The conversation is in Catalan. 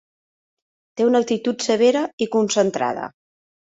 Té una actitud severa i concentrada.